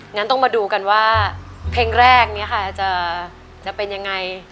งั้นต้องมาดูกันว่าเพลงแรกนี้ค่ะจะเป็นยังไง